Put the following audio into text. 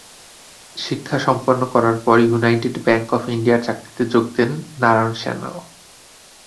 শিক্ষা সম্পন্ন করার পর ইউনাইটেড ব্যাঙ্ক অব ইন্ডিয়ার চাকরিতে যোগ দেন নারায়ন সান্যাল।